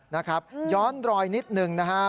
นะครับย้อนรอยนิดหนึ่งนะฮะ